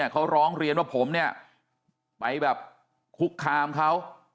เขาร้องเรียนว่าผมไปคุกคามเขา